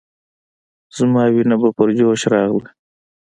زما وينه به په جوش راغله.